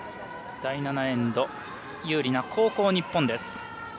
第７エンド有利な後攻、日本です。